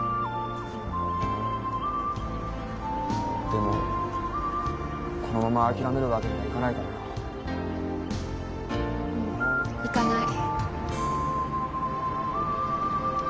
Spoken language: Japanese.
でもこのまま諦めるわけにはいかないからな。うんいかない。